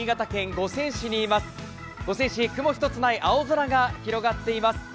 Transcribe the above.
五泉市、雲一つない青空が広がっています。